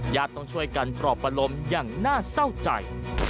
ต้องช่วยกันปลอบประลมอย่างน่าเศร้าใจ